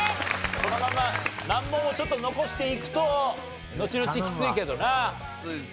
このまま難問をちょっと残していくとのちのちきついけどな。